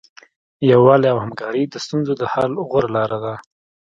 یووالی او همکاري د ستونزو د حل غوره لاره ده.